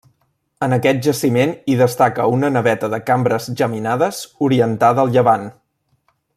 En aquest jaciment hi destaca una naveta de cambres geminades, orientada al llevant.